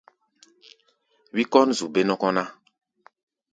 Wí kɔ́n zu bé-nɔ́kɔ́ ná.